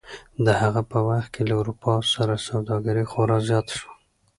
د هغه په وخت کې له اروپا سره سوداګري خورا زیاته شوه.